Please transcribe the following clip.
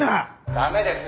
「駄目です！」